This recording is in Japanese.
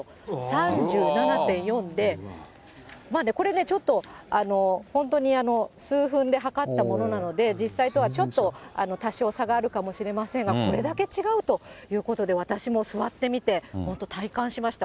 ３７．４で、これね、ちょっと、本当に数分で測ったものなので、実際とはちょっと、多少差があるかもしれませんが、これだけ違うということで、私も座ってみて、本当体感しました。